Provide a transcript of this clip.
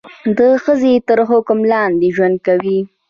د ښځې تر حکم لاندې ژوند کوي.